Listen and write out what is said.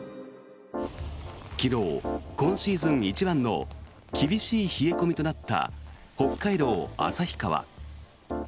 昨日、今シーズン一番の厳しい冷え込みとなった北海道旭川。